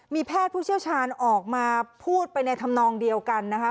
มีแพทย์ผู้เชี่ยวชาญออกมาพูดไปในธรรมนองเดียวกันนะคะ